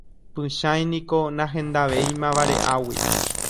Pychãi niko nahendavéima vare'águi.